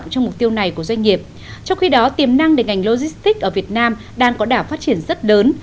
trong khi đó tiềm năng để ngành logistics ở việt nam đang có đảo phát triển rất lớn